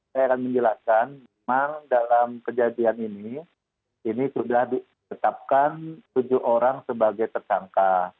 saya akan menjelaskan memang dalam kejadian ini ini sudah ditetapkan tujuh orang sebagai tersangka